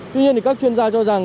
tuy nhiên thì các chuyên gia cho rằng